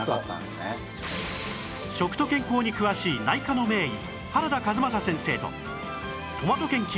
食と健康に詳しい内科の名医原田和昌先生とトマト研究